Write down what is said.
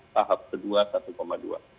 tahap kedua satu dua